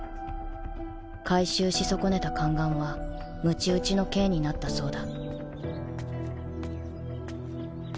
回収し損ねた宦官はむち打ちの刑になったそうだ